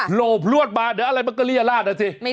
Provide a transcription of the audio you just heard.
โหลบลวดมาเดี๋ยวอะไรมันก็เรียราชนะสิ